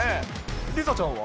梨紗ちゃんは？